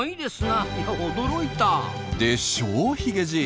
でしょうヒゲじい。